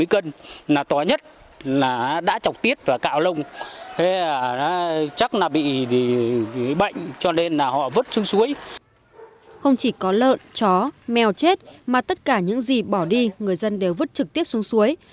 không chỉ có lợn chó mèo chết mà tất cả những gì bỏ đi người dân đều vứt trực tiếp xuống suối